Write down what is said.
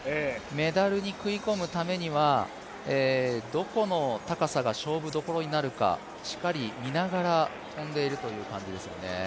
メダルに食い込むためには、どこの高さが勝負どころになるか、しっかり見ながら跳んでいるという感じですね。